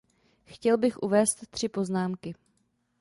Chtěl bych uvést tři poznámky.